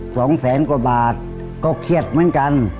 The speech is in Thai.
สองแสนกว่าบาทก็เครียดเหมือนกัน